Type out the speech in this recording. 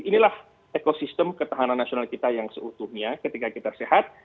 inilah ekosistem ketahanan nasional kita yang seutuhnya ketika kita sehat